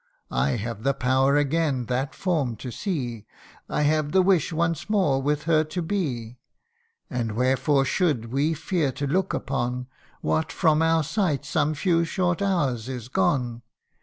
I have the power again that form to see I have the wish once more with her to be : And wherefore should we fear to look upon What, from our sight, some few short hours is gone